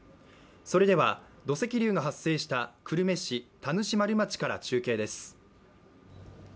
それでは土石流が発生した久留米市田主丸町から中継です。